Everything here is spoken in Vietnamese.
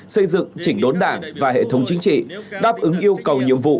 xây dựng chỉnh đốn đảng và hệ thống chính trị đáp ứng yêu cầu nhiệm vụ